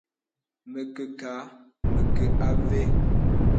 Mə kə kâ , mə kə avə́.